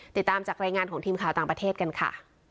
ติดตามจากรายงานของทีมข่าวต่างประเทศกันค่ะ